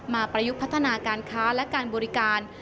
ประยุกต์พัฒนาการค้าและการบริการ